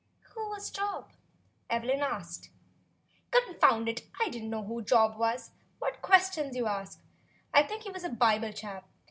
"Who was Job.?" Evelyn asked. "Confound it! I don't know who Job was. What questions you do ask! I think he was a Bible chap.